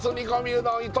うどん糸